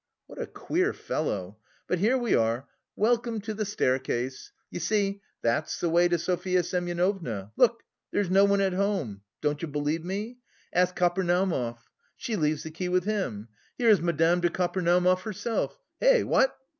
"What a queer fellow! But here we are. Welcome to the staircase. You see, that's the way to Sofya Semyonovna. Look, there is no one at home. Don't you believe me? Ask Kapernaumov. She leaves the key with him. Here is Madame de Kapernaumov herself. Hey, what?